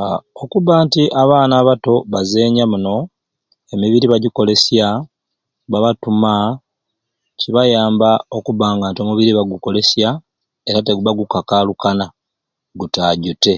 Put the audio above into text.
Aaa okuba nti abaana abato bazenya muno emibiri bagyikolesya babatuma kibayamba okuba nga omubiri bugukolesya era teguba gukukakalukana gutajute